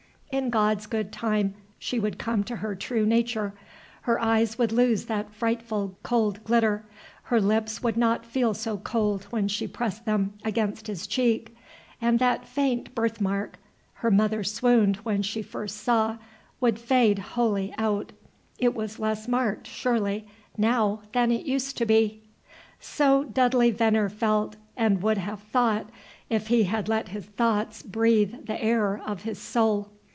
In God's good time she would come to her true nature; her eyes would lose that frightful, cold glitter; her lips would not feel so cold when she pressed them against his cheek; and that faint birth mark, her mother swooned when she first saw, would fade wholly out, it was less marked, surely, now than it used to be! So Dudley Venner felt, and would have thought, if he had let his thoughts breathe the air of his soul.